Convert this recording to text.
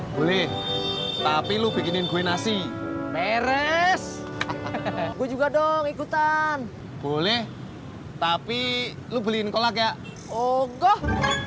boleh tapi lu bikinin gue nasi meres gue juga dong ikutan boleh tapi lu beliin kolak ya oh